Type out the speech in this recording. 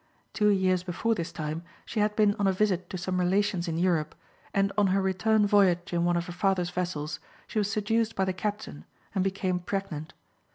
Two years before this time she had been on a visit to some relations in Europe, and on her return voyage in one of her father's vessels, she was seduced by the captain, and became pregnant.